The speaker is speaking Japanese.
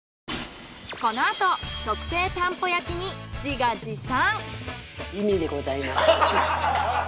このあと特製たんぽ焼きに自画自賛。